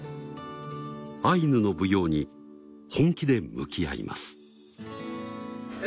アイヌの舞踊に本気で向き合います。